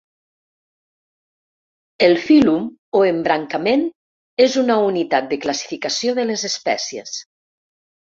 El fílum o embrancament és una unitat de classificació de les espècies.